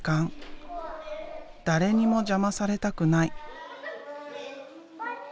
誰にも邪魔されたくない。